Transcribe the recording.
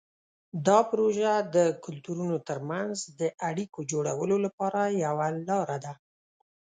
دا پروژه د کلتورونو ترمنځ د اړیکو جوړولو لپاره یوه لاره ده.